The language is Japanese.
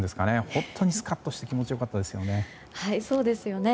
本当にスカッとして気持ちよかったですよね。